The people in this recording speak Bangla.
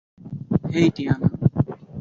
হেই, টিয়ানা!